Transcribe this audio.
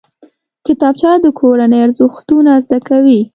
کتابچه د کورنۍ ارزښتونه زده کوي